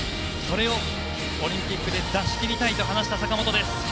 それをオリンピックで出し切りたいと話した坂本です。